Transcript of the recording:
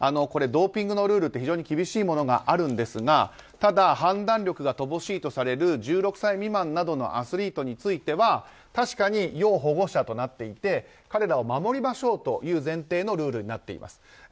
ドーピングのルールって非常に厳しいものがあるんですがただ判断力が乏しいとされる１６歳未満などのアスリートについては確かに、要保護者となっていて彼らを守りましょうという前提のルールになっています。